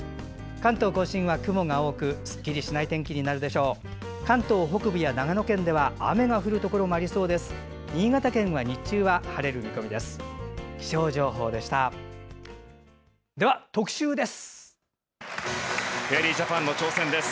関東北部や長野県では雨が降るところもありそうです。